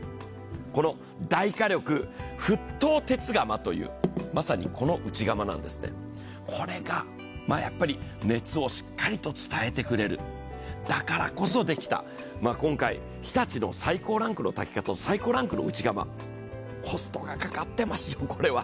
この大火力沸騰鉄釜というまさにこの内釜なんですね、これが熱をしっかりと伝えてくれるだからこそできた、今回日立の最高ランクの内釜、コストがかかってますよ、これは。